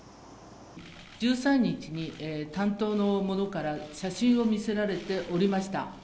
１３日に担当の者から写真を見せられておりました。